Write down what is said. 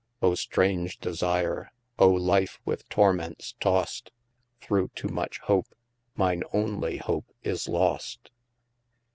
Oh straunge desire, 0 life with torments tost Through too much hope, mine onely hope is lost.